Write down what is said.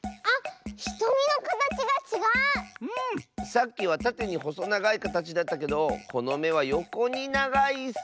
さっきはたてにほそながいかたちだったけどこのめはよこにながいッス！